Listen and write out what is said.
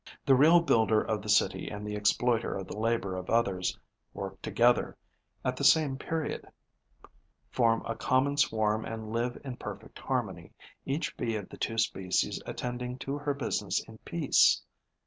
The real builder of the city and the exploiter of the labour of others work together, at the same period, form a common swarm and live in perfect harmony, each Bee of the two species attending to her business in peace.